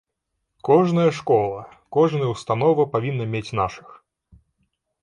Кожная школа, кожная ўстанова павінна мець нашых.